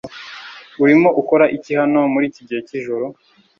Urimo ukora iki hano muri iki gihe cyijoro?